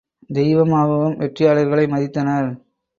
தெய்வமாகவும் வெற்றியாளர்களை மதித்தனர்.